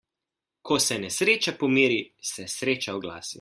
Ko se nesreča pomiri, se sreča oglasi.